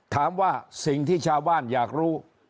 ถามว่าสิ่งที่ชาวบ้านอยากรู้